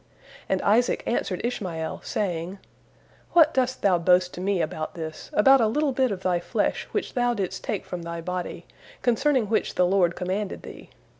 And Isaac answered Ishmael, saying, "What dost thou boast to me about this, about a little bit of thy flesh which thou didst take from thy body, concerning which the Lord commanded thee?